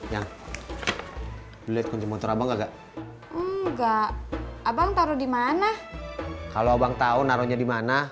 yang beli kunci motor abang agak enggak abang taruh di mana kalau abang tahu naruhnya di mana